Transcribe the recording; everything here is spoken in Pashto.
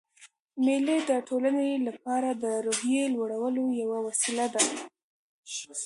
مېلې د ټولنې له پاره د روحیې لوړولو یوه وسیله ده.